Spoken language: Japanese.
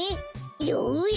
よし！